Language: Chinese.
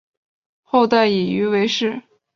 后代以鱼为氏。